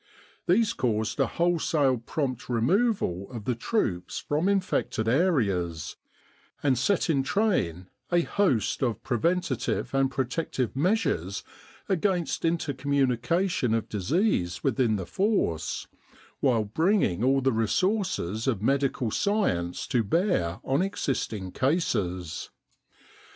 These caused a wholesale prompt removal of the troops from in fected areas, and set in train a host of preventive and protective measures against intercommunication of disease within the Force, while bringing all the resources of medical science to bear on existing cases.